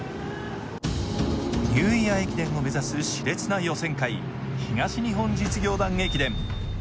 ニューイヤー駅伝を目指すしれつな予選会、東日本実業団駅伝。